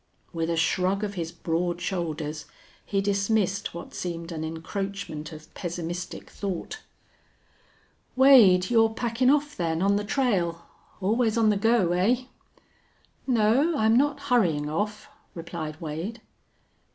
With a shrug of his broad shoulders he dismissed what seemed an encroachment of pessimistic thought. "Wade, you're packin' off, then, on the trail? Always on the go, eh?" "No, I'm not hurryin' off," replied Wade.